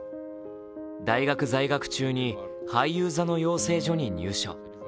大学在学中に俳優座の養成所に入所。